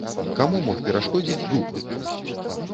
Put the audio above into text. Каму мог перашкодзіць дуб?